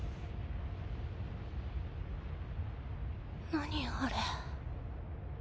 何あれ？